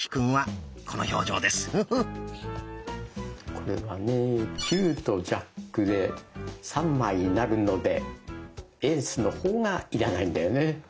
これはね「９」と「ジャック」で３枚になるので「エース」の方が要らないんだよね。